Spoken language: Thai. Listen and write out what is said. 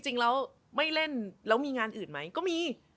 จริงแล้วไม่เล่นแล้วมีงานอื่นไหมก็มี